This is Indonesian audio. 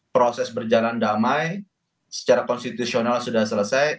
proses berjalan damai secara konstitusional sudah selesai